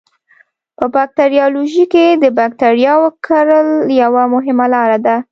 په باکتریالوژي کې د بکټریاوو کرل یوه مهمه لاره ده.